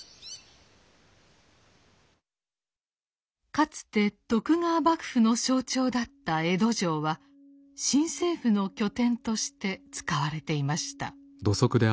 かつて徳川幕府の象徴だった江戸城は新政府の拠点として使われていました。